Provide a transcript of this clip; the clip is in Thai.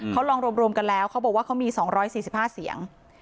เขาลองรวมรวมกันแล้วเขาบอกว่าเขามีสองร้อยสี่สิบห้าเสียง